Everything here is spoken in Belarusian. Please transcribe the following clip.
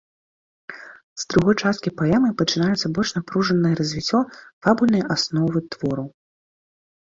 З другой часткі паэмы пачынаецца больш напружанае развіццё фабульнай асновы твору.